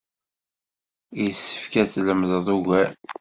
Isefk ad tlemdeḍ ugar.